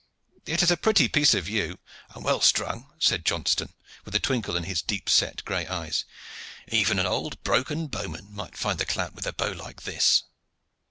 "It is a pretty piece of yew, and well strung," said Johnston with a twinkle in his deep set gray eyes. "Even an old broken bowman might find the clout with a bow like this."